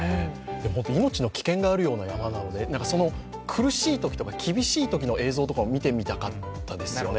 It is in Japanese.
命の危険がある山なので苦しいときとか厳しいときも映像が見てみたかったですね。